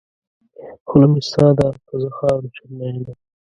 خوله مې ستا ده که زه خاورې شم مینه.